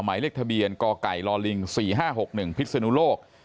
หมายเลขทะเบียนกไก่ลิง๔๕๖๑พิศนุโลก